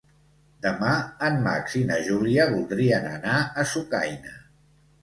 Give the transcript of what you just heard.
Demà en Max i na Júlia voldrien anar a Sucaina.